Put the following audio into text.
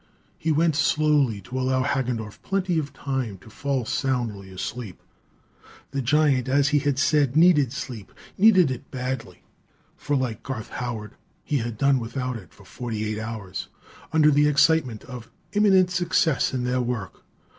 He went slowly, to allow Hagendorff plenty of time to fall soundly asleep. The giant, as he had said, needed sleep needed it badly for, like Garth Howard, he had done without it for forty eight hours under the excitement of imminent success in their work.